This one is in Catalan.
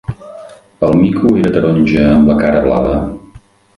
El mico era taronja amb la cara blava.